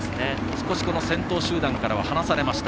少し先頭集団からは離されました。